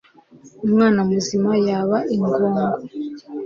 Umwana muzima yaba ingongo.